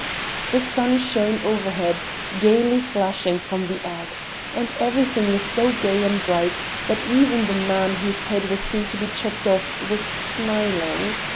The sun shone overhead, gaily flashing from the ax, and everything was so gay and bright that even the man whose head was soon to be chopped off was smiling.